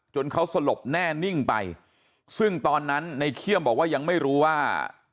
เขาสลบแน่นิ่งไปซึ่งตอนนั้นในเขี้ยมบอกว่ายังไม่รู้ว่า